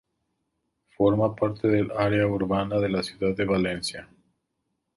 Forma parte del área urbana de la ciudad de Valencia.